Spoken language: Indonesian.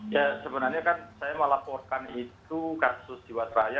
ya sebenarnya kan saya melaporkan itu kasus jiwasraya